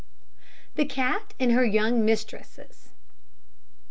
THE CAT AND HER YOUNG MISTRESSES.